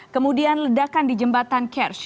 kemudian ledakan di jembatan carsh